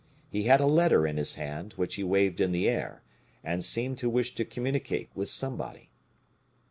He had a letter in his hand, which he waved in the air, and seemed to wish to communicate with somebody.